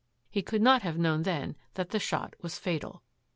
He could not have known then that the shot was fatal.